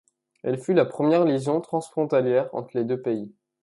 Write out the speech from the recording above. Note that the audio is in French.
Elle fut la première liaison transfrontalière entre les deux pays.